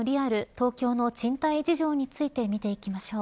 東京の賃貸事情についてみていきましょう。